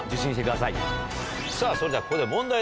さぁそれではここで。